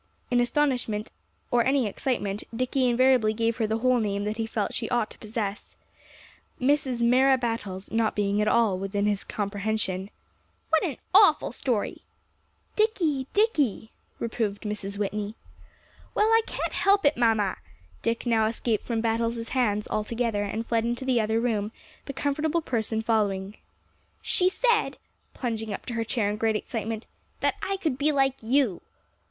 In astonishment, or any excitement, Dicky invariably gave her the whole name that he felt she ought to possess; "Mrs. Mara Battles" not being at all within his comprehension. "What an awful story!" "Dicky Dicky!" reproved Mrs. Whitney. "Well, I can't help it, mamma." Dick now escaped from Battles' hands altogether, and fled into the other room, the comfortable person following. "She said" plunging up to her chair in great excitement "that I could be like you."